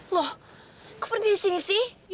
loh kok berdiri di sini sih